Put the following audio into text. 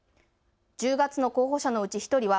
１０月の候補者のうち１人は